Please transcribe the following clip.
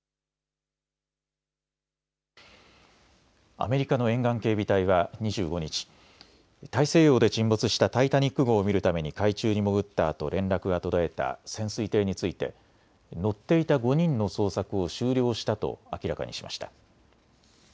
アメリカの沿岸警備隊は２５日、大西洋で沈没したタイタニック号を見るために海中に潜ったあと連絡が途絶えた潜水艇について乗っていた５人の捜索を終了したと明らかにしました。